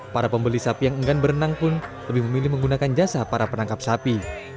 para pembeli sapi yang enggan berenang pun lebih memilih menggunakan jasa para penangkap sapi